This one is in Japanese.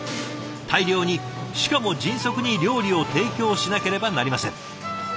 大量にしかも迅速に料理を提供しなければなりません。